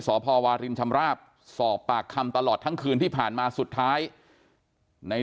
สพวารินชำราบสอบปากคำตลอดทั้งคืนที่ผ่านมาสุดท้ายใน